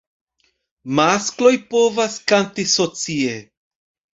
Maskloj povas kanti socie.